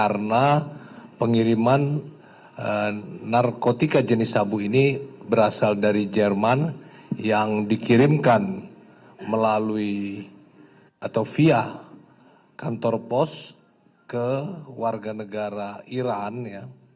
karena pengiriman narkotika jenis sabu ini berasal dari jerman yang dikirimkan melalui atau via kantor pos ke warga negara iran ya